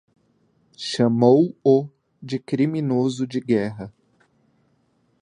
Chamou-o de criminoso de guerra